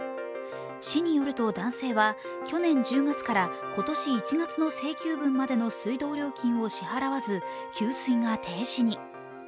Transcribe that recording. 市によると男性は去年１０月から今年１月の請求分までの水道料金を支払わず、給水が停止に。